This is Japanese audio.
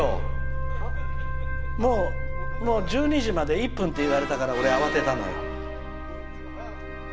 もう１２時まで１分って言われたから俺、慌てたのよ。